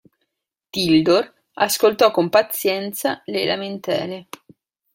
Tildor ascoltò con pazienza le lamentele.